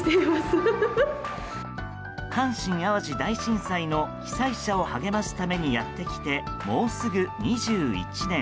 阪神・淡路大震災の被災者を励ますためにやって来てもうすぐ２１年。